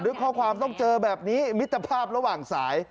ข้อความต้องเจอแบบนี้มิตรภาพระหว่างสาย